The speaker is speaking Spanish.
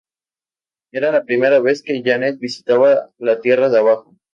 Era la primera vez que Janet visitaba la tierra de abajo.